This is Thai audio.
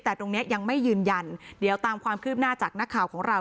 แต่ตรงนี้ยังไม่ยืนยันเดี๋ยวตามความคืบหน้าจากนักข่าวของเรา